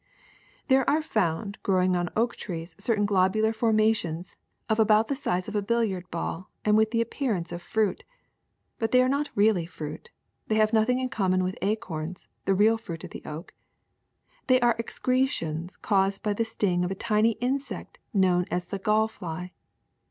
*' There are found growing on oak trees certain globular formations of about the size of a billiard ball and with the appear ance of fruit. But they are not really fruit; they have nothing in common with acorns, the real fruit of the oak. They are ex Gall fly (female), natural size; ,, 6, male antenna magnified crescences caused by the sting of a tiny insect known as the gall fly.